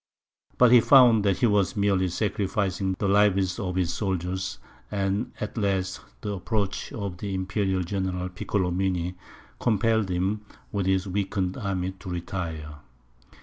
But he found that he was merely sacrificing the lives of his soldiers; and at last, the approach of the imperial general, Piccolomini, compelled him, with his weakened army, to retire.